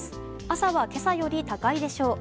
朝は今朝より高いでしょう。